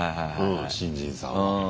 新人さんは。